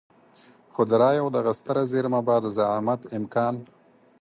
خو د رايو دغه ستره زېرمه به د زعامت امکان.